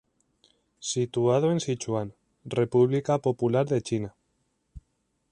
Situado en Sichuan, República Popular de China.